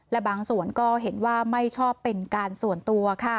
และบางส่วนก็เห็นว่าไม่ชอบเป็นการส่วนตัวค่ะ